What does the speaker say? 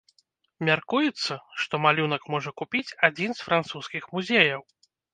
Мяркуецца, што малюнак можа купіць адзін з французскіх музеяў.